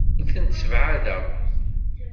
Ur tent-ssebɛadeɣ.